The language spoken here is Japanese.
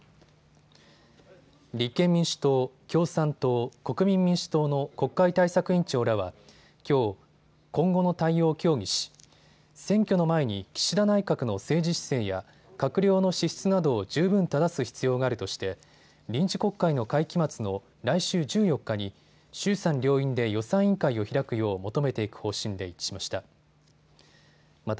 立憲民主党、共産党、国民民主党の国会対策委員長らはきょう、今後の対応を協議し選挙の前に岸田内閣の政治姿勢や閣僚の資質などを十分ただす必要があるとして臨時国会の会期末の来週１４日に衆参両院で予算委員会を開くよう求めていく方針で一致しました。